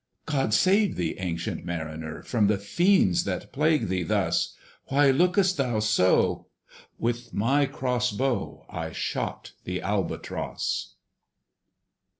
"God save thee, ancient Mariner! From the fiends, that plague thee thus! Why look'st thou so?" With my cross bow I shot the ALBATROSS.